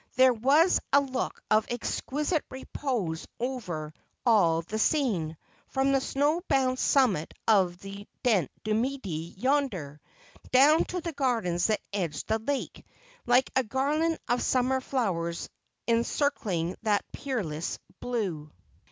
There was a look of exquisite repose over all the scene, from the snow bound summit of the Dent du Midi yonder, down to the gardens that edged the lake, like a garland of summer flowers encircling that peerless blue.